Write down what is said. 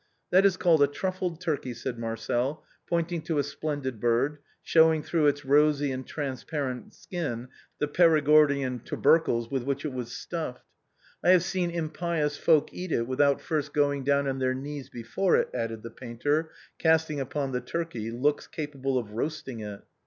" That is called a truffled turkey/' said Marcel, pointing to a splendid bird, showing through its rosy and transparent skin the Perigordian tubercles with which it was stuffed. " I have seen impious folk eat it without first going down on their knees before it," added the painter, casting upon the turkey looks capable of roasting it.